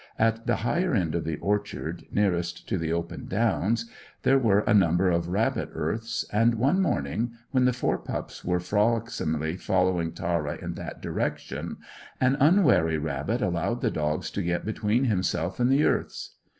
At the higher end of the orchard, nearest to the open downs, there were a number of rabbit earths, and one morning, when the four pups were frolicsomely following Tara in that direction, an unwary rabbit allowed the dogs to get between himself and the earths.